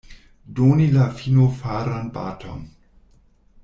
Doni la finofaran baton.